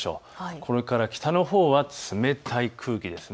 これから北のほうは冷たい空気です。